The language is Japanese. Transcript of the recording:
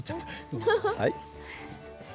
ごめんなさい。